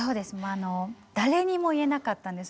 あの誰にも言えなかったんです